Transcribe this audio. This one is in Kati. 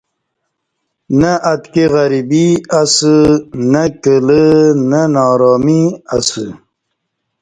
نہ اتکی غریبی اسہ نہ کلہ نہ نارامی اسہ